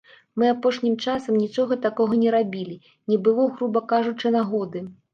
Мы апошнім часам нічога такога не рабілі, не было, груба кажучы, нагоды.